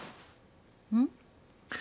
うん？